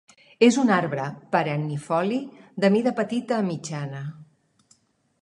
És un arbre perennifoli de mida petita a mitjana.